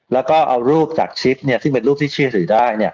แล้วก็เอารูปจากชิปซึ่งเป็นรูปที่เชื่อถือได้